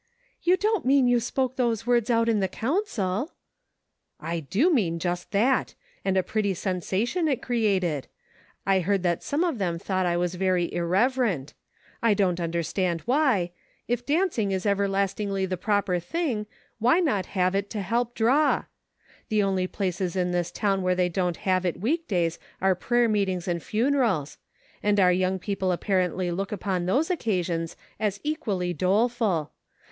"You don't mean you spoke those words out in the council .'"" I do mean just that ; and a pretty sensation it created ! I heard that some of them thought I was very irreverent ; I don't understand why ; if dancing is everlastingly the proper thing, why not have it to help draw.'' The only places in this town where they don't have it week days are prayer meetings and funerals ; and our young peo ple apparently look upon those occasions as equally doleful.